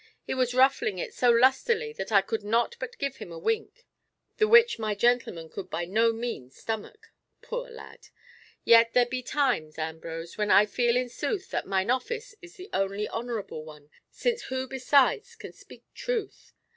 He was ruffling it so lustily that I could not but give him a wink, the which my gentleman could by no means stomach! Poor lad! Yet there be times, Ambrose, when I feel in sooth that mine office is the only honourable one, since who besides can speak truth?